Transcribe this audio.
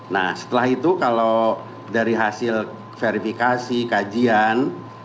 nah setelah itu kalau dari hasil verifikasi kajian